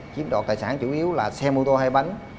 kiếm đọt tài sản chủ yếu là xe mô tô hay bánh